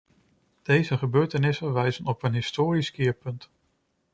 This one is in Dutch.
Deze gebeurtenissen wijzen op een historisch keerpunt.